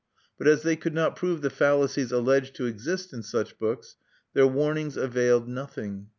But as they could not prove the fallacies alleged to exist in such books, their warnings availed nothing.